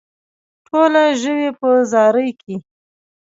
ټوله ژوي په زاري کې.